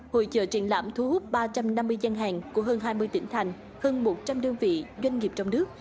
hội trợ triển lãm thu hút ba trăm năm mươi gian hàng của hơn hai mươi tỉnh thành hơn một trăm linh đơn vị doanh nghiệp trong nước